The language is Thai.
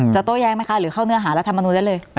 โต้แย้งไหมคะหรือเข้าเนื้อหารัฐมนุนได้เลย